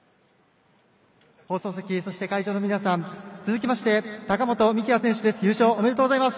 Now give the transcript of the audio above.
放送席、そして会場の皆さん続きまして高本幹也選手です。